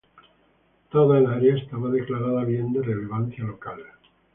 Toda el área está declarada bien de relevancia local.